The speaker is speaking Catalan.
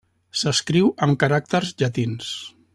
S'escriu amb caràcters llatins.